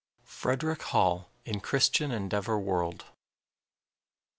_Frederick Hall, in Christian Endeavor World.